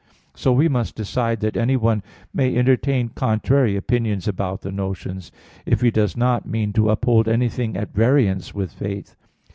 So we must decide that anyone may entertain contrary opinions about the notions, if he does not mean to uphold anything at variance with faith.